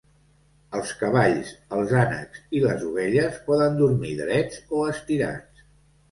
Els cavalls, els ànecs i les ovelles poden dormir drets o estirats.